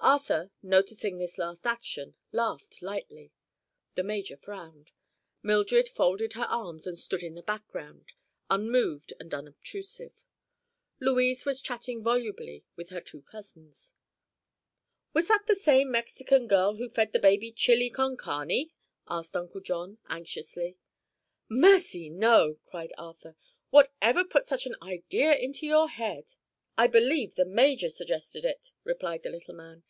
Arthur, noticing this last action, laughed lightly. The major frowned. Mildred folded her arms and stood in the background unmoved and unobtrusive. Louise was chatting volubly with her two cousins. "Was that the same Mexican girl who fed the baby chile con carne?" inquired Uncle John anxiously. "Mercy, no!" cried Arthur. "What ever put such an idea into your head?" "I believe the major suggested it," replied the little man.